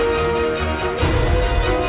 gak tahu juga bos